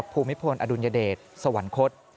ภูมิพลอดุลยเดชสวรรคต